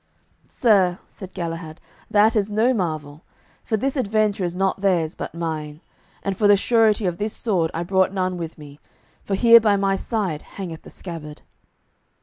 "Sir," said Galahad, "that is no marvel, for this adventure is not theirs but mine, and for the surety of this sword I brought none with me; for here by my side hangeth the scabbard."